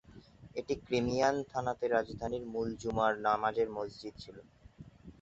এটি Crimean khanate রাজধানীর মূল জুমার নামাজের মসজিদ ছিল।